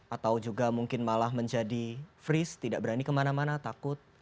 atau juga mungkin malah menjadi freeze tidak berani kemana mana takut